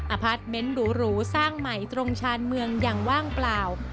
อัพพัดเม้นต์หรูหรูสร้างใหม่ตรงชาญเมืองอย่างว่างเปล่า